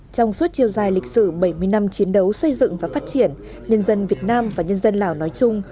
trong suốt chiều dài lịch sử bảy mươi năm chiến đấu xây dựng và phát triển nhân dân việt nam và nhân dân lào nói chung